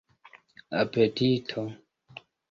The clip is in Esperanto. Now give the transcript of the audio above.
apetito